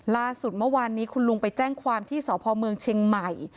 ล่าสุดเมื่อวานนี้คุณลุงไปแจ้งความที่สพเมืองเชียงใหม่